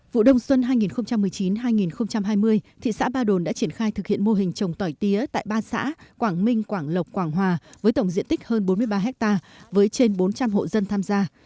vụ đông xuân hai nghìn một mươi chín hai nghìn hai mươi thị xã ba đồn đã triển khai thực hiện mô hình trồng tỏi tía tại ba xã quảng minh quảng lộc quảng hòa với tổng diện tích hơn bốn mươi ba hectare với trên bốn trăm linh hộ dân tham gia